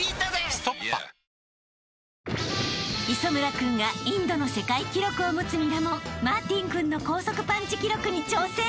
「ストッパ」［磯村君がインドの世界記録を持つミラモンマーティン君の高速パンチ記録に挑戦！］